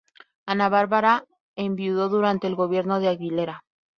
Ana Barba enviudó durante el gobierno de Aguilera.